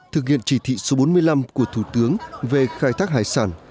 thực hiện chỉ thị số bốn mươi năm của thủ tướng về khai thác hải sản